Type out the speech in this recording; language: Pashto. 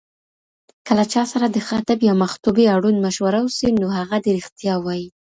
که له چاسره دخاطب يامخطوبې اړوند مشوره وسي، نو هغه دي رښتيا ووايي